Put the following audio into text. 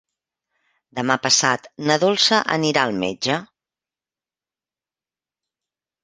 Demà passat na Dolça anirà al metge.